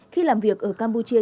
khi làm việc ở campuchia